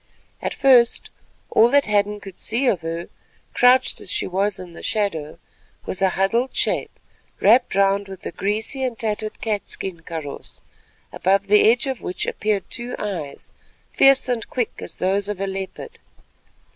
At first all that Hadden could see of her, crouched as she was in the shadow, was a huddled shape wrapped round with a greasy and tattered catskin kaross, above the edge of which appeared two eyes, fierce and quick as those of a leopard.